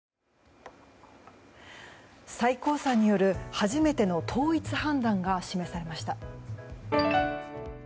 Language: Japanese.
最高裁による、初めての統一判断が示されました。